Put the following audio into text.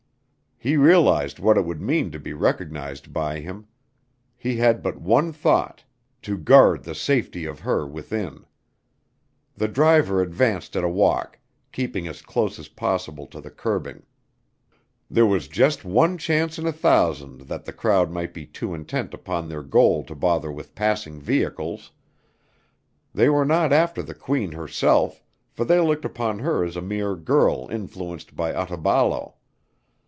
He realized what it would mean to be recognized by him. He had but one thought to guard the safety of her within. The driver advanced at a walk, keeping as close as possible to the curbing. There was just one chance in a thousand that the crowd might be too intent upon their goal to bother with passing vehicles. They were not after the Queen herself, for they looked upon her as a mere girl influenced by Otaballo.